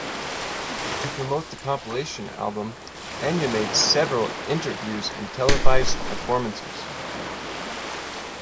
To promote the compilation album, Enya made several interviews and televised performances.